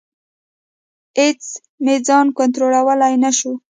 اېڅ مې ځان کنټرولولی نشو.